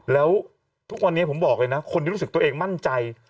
แล้วทุกวันนี้ผมบอกเลยนะคนที่รู้สึกตัวเองมั่นใจ